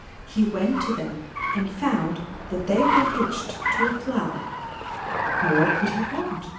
He went to them and found that they were hitched to a plow. What more could he want?